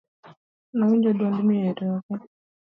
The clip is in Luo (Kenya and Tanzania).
nowinjo duond miyo e toke